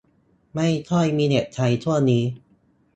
ไม่ค่อยมีเน็ตใช้ช่วงนี้